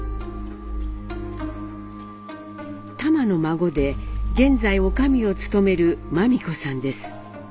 タマの孫で現在女将を務める万美子さんです。